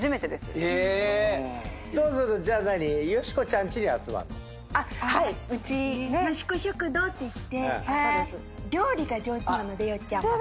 よしこ食堂っていって料理が上手なのでよっちゃん。